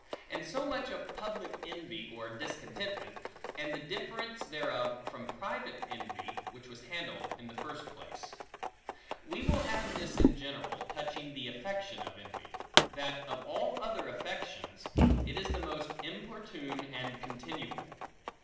And so much of public envy or discontentment, and the difference thereof from private envy, which was handled in the first place. We will add this in general, touching the affection of envy; that of all other affections, it is the most importune and continual.